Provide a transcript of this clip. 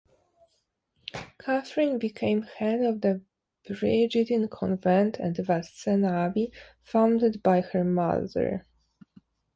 Catherine became head of the Brigittine convent at Vadstena Abbey, founded by her mother.